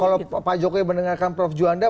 kalau pak jokowi mendengarkan prof juanda